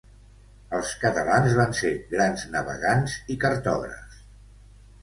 Els catalans van ser grans navegants i cartògrafs.